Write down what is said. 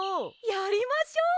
やりましょう！